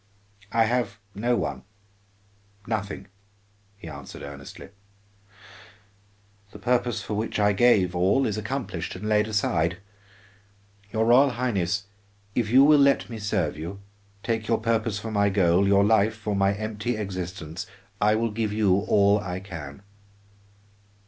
"I have no one, nothing," he answered earnestly. "The purpose for which I gave all is accomplished and laid aside. Your Royal Highness, if you will let me serve you, take your purpose for my goal, your life for my empty existence, I will give you all I can."